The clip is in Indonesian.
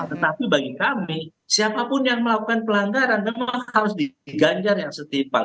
tetapi bagi kami siapapun yang melakukan pelanggaran memang harus diganjar yang setimpal